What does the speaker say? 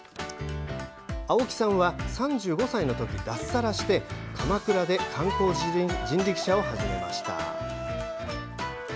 青木さんは３５歳のとき、脱サラして鎌倉で観光人力車を始めました。